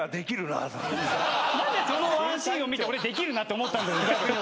何でそのワンシーンを見て「俺できるな」と思ったんだろう逆に。